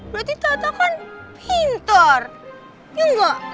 berarti tata kan pintar ya nggak